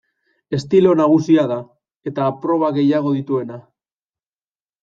Estilo nagusia da, eta proba gehiago dituena.